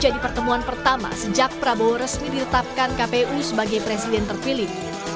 jadi pertemuan pertama sejak prabowo resmi diletakkan kpu sebagai presiden terpilih